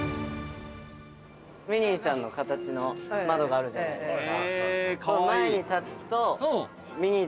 ◆ミニーちゃんの形の窓があるじゃないですか。